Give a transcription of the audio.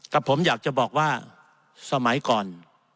ผมอยากจะบอกว่าสมัยก่อน